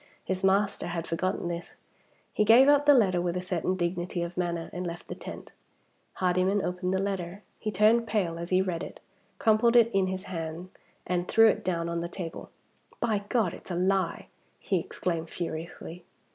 His master had forgotten this. He gave up the letter with a certain dignity of manner, and left the tent. Hardyman opened the letter. He turned pale as he read it; crumpled it in his hand, and threw it down on the table. "By G d! it's a lie!" he exclaimed furiously.